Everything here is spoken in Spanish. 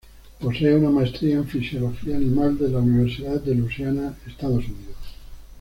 Posee una maestría en fisiología animal de la Universidad de Louisiana, Estados Unidos.